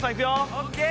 オッケー！